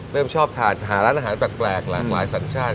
แล้วชอบถ่านหาร้านอาหารแปลกหลายสัญชาติ